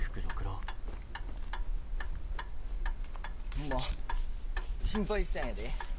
ホンマ心配したんやで。